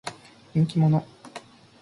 人気者。